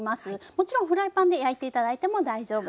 もちろんフライパンで焼いて頂いても大丈夫です。